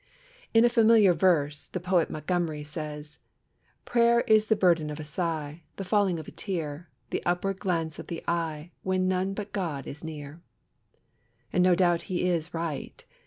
In a familiar verse, the poet Montgomery says: "Prayer is the burden of a sigh, The falling of a tear, The upward glancing of the eye, When none but God is near." And no doubt he is right.